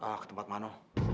ah ke tempat mano